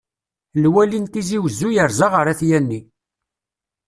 Lwali n tizi wezzu yerza ɣer At yanni.